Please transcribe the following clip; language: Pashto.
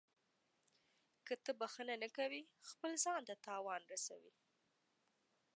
• که ته بښنه نه کوې، خپل ځان ته تاوان رسوې.